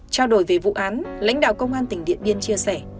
trao đổi về vụ án lãnh đạo công an tỉnh điện biên chia sẻ